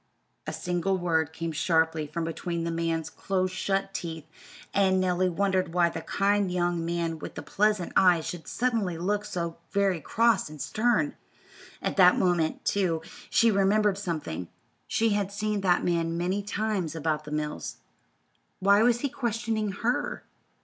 A single word came sharply from between the man's close shut teeth, and Nellie wondered why the kind young man with the pleasant eyes should suddenly look so very cross and stern. At that moment, too, she remembered something she had seen this man many times about the mills. Why was he questioning her?